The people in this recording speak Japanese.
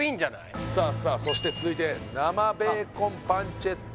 そして続いて生ベーコンパンチェッタ